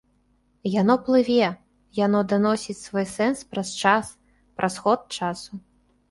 Яно плыве, яно даносіць свой сэнс праз час, праз ход часу.